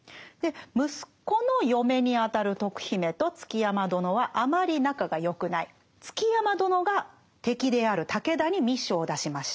息子の嫁にあたる徳姫と築山殿はあまり仲が良くない築山殿が敵である武田に密書を出しました。